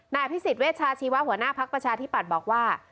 อภิษฎเวชาชีวะหัวหน้าภักดิ์ประชาธิปัตย์บอกว่า